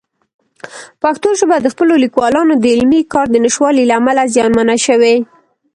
پښتو ژبه د خپلو لیکوالانو د علمي کار د نشتوالي له امله زیانمنه شوې.